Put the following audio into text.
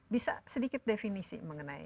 bisa sedikit definisi mengenai